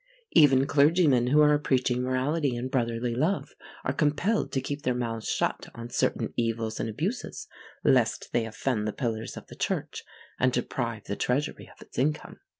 Even clergymen who are preaching morality and brotherly love are compelled to keep their mouths shut on certain evils and abuses, lest they offend the pillars of the church and deprive the treasury of its income.